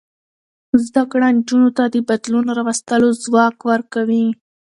زده کړه نجونو ته د بدلون راوستلو ځواک ورکوي.